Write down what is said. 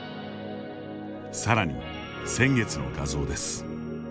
さらに、先月の画像です。